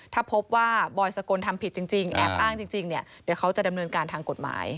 ถ้าพบว่าบอยสกลทำผิดจริงแอบอ้างจริงเนี่ยเดี๋ยวเขาจะดำเนินการทางกฎหมาย